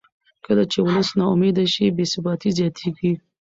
کله چې ولس نا امیده شي بې ثباتي زیاتېږي